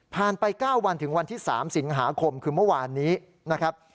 ไป๙วันถึงวันที่๓สิงหาคมคือเมื่อวานนี้นะครับ